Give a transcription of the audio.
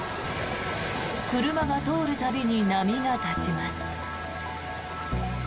車が通る度に波が立ちます。